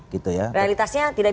gitu ya realitasnya tidak